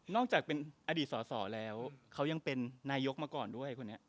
จากเป็นอดีตสอสอแล้วเขายังเป็นนายกมาก่อนด้วยคนนี้